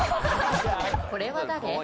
これは誰？